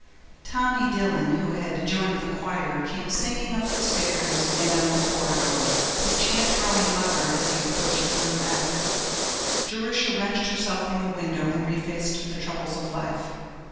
Tommy Dillon, who had joined the choir, came singing up the stairs and down the corridor, his chant growing louder as he approached room F. Jerusha wrenched herself from the window and refaced the troubles of life.